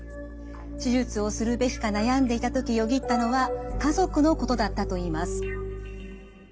手術をするべきか悩んでいた時よぎったのは家族のことだったと言います。